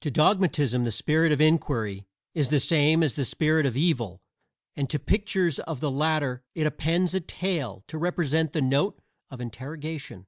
To Dogmatism the Spirit of Inquiry is the same as the Spirit of Evil, and to pictures of the latter it appends a tail to represent the note of interrogation.